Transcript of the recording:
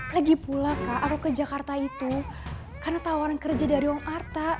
lagi pula kak aku ke jakarta itu karena tawaran kerja dari yogyakarta